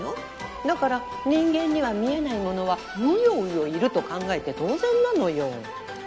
だから人間には見えないものはうようよいると考えて当然なのよ。